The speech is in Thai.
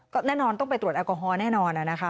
ก็แน่นอนต้องไปตรวจแอลกอฮอลแน่นอนนะคะ